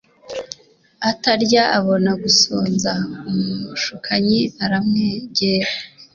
atarya abona gusonza Umushukanyi aramwegera